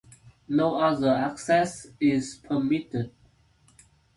No other access is permitted.